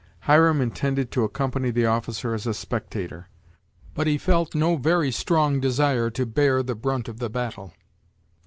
Hiram intended to accompany the officer as a spectator, but he felt no very strong desire to bear the brunt of the battle.